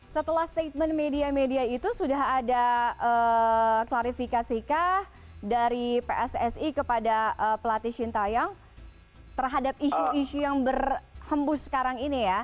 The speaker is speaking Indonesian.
setelah statement media media itu sudah ada klarifikasikah dari pssi kepada pelatih shin taeyong terhadap isu isu yang berhembus sekarang ini ya